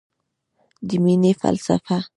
د مینې فلسفه